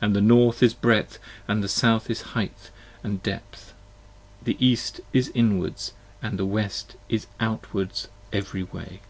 And the North is Breadth, the South is Heighth & Depth : 30 The East is Inwards :& the West is Outwards every way.